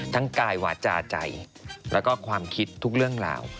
กายวาจาใจแล้วก็ความคิดทุกเรื่องราว